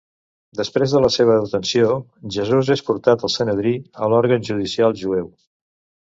Després de la seva detenció, Jesús és portat al Sanedrí, a l'òrgan judicial jueu.